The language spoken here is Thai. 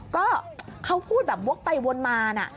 ก็เขาพูดแบบวกไปวนมานะ